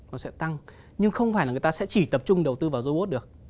nó sẽ tăng nhưng không phải là người ta sẽ chỉ tập trung đầu tư vào robot được